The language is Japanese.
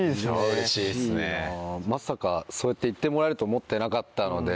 まさかそうやって言ってもらえると思ってなかったので。